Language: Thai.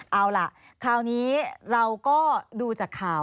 เอาล่ะคราวนี้เราก็ดูจากข่าว